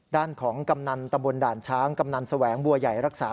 ด้านของกำนันตะบนด่านช้างกำนันแสวงบัวใหญ่รักษา